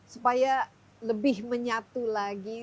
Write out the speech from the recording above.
supaya lebih menyatu lagi